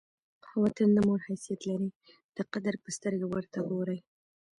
وطن د مور حیثیت لري؛ د قدر په سترګه ور ته ګورئ!